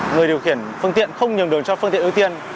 người điều khiển phương tiện không nhường đường cho phương tiện ưu tiên